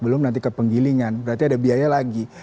belum nanti ke penggilingan berarti ada biaya lagi